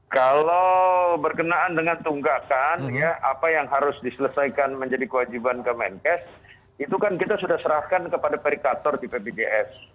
kalau berkenaan dengan tunggakan ya apa yang harus diselesaikan menjadi kewajiban kemenkes itu kan kita sudah serahkan kepada perikator di pbgs